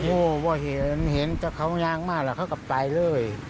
โอ้โหเห็นเห็นเขายังมากเขากลับไปเลย